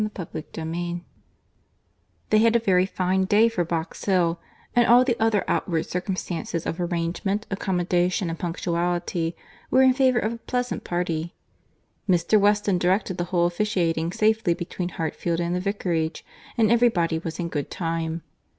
CHAPTER VII They had a very fine day for Box Hill; and all the other outward circumstances of arrangement, accommodation, and punctuality, were in favour of a pleasant party. Mr. Weston directed the whole, officiating safely between Hartfield and the Vicarage, and every body was in good time.